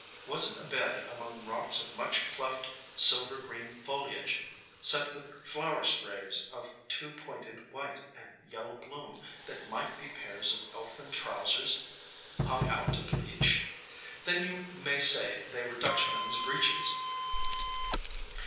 Was it a bed among rocks of much cleft silver green foliage, set with flower sprays of two pointed white and yellow bloom that might be pairs of elfin trousers hung out to bleach? Then you may say they were Dutchman's Breeches.